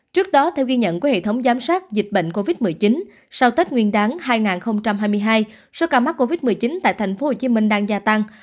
trước đó theo ghi nhận của hệ thống giám sát dịch bệnh covid một mươi chín sau tết nguyên đáng hai nghìn hai mươi hai số ca mắc covid một mươi chín tại tp hcm đang gia tăng